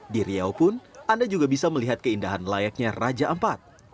di riau pun anda juga bisa melihat keindahan layaknya raja ampat